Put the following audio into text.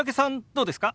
どうですか？